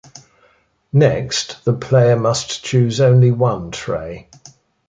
Next, the player must choose only one tray.